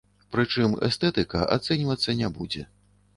Прычым эстэтыка ацэньвацца не будзе.